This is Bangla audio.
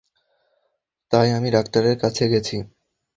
তাই আমি ডাক্তারের কাছে গেছি।